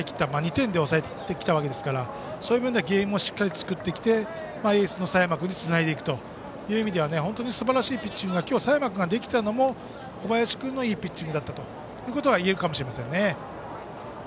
２点で抑えたわけですからゲームをしっかり作ってエースの佐山君につないでいくという意味では本当にすばらしいピッチングを今日、佐山君ができたのも小林君のいいピッチングだったと言えるかもしれませんね。